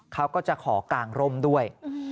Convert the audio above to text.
เขาก็จะขอกางร่มด้วย